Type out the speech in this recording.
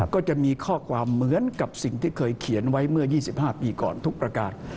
ก็จะมีข้อความเหมือนกับสิ่งที่เคยเขียนไว้เมื่อ๒๕ปีก่อนทุกประการ